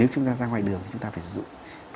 nếu chúng ta đang ở ngoài đường chúng ta phải sử dụng